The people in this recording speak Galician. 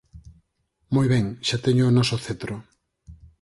Moi ben, xa teño o noso cetro